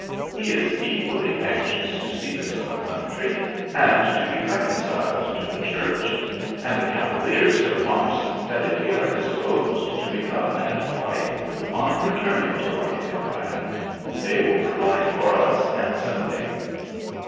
He is equally anxious to see his own country and to be reconciled to the church, and the cavaliers have promised that if we are disposed to become man and wife on returning to our native land, they will provide for us handsomely."